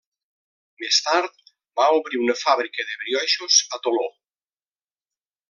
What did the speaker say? Més tard, va obrir una fàbrica de brioixos a Toló.